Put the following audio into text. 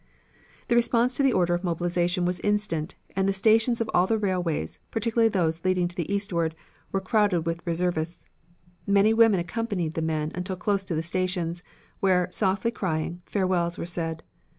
The response to the order of mobilization was instant, and the stations of all the railways, particularly those leading to the eastward, were crowded with reservists. Many women accompanied the men until close to the stations, where, softly crying, farewells were said.